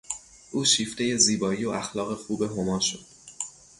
او شیفتهی زیبایی و اخلاق خوب هما شد.